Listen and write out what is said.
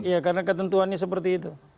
ya karena ketentuannya seperti itu